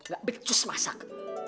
gak becus masak